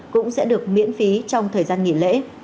cũng sẽ được miễn phí trong thời gian nghỉ lễ